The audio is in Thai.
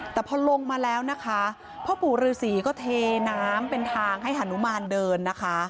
แต่พอลงมาแล้วนะคะพ่อปู่ฤษีก็เทน้ำเป็นทางให้หานุมานเดินนะคะ